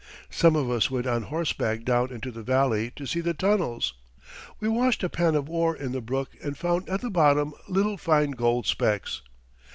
Some of us went on horseback down into the valley to see the tunnels. We washed a pan of ore in the brook and found at the bottom little fine gold specks.